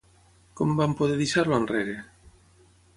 Com van poder deixar-lo enrere?